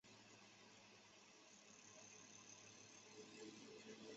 最终马里也赢得了这届非洲国家杯季军。